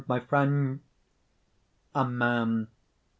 my friend!" A MAN.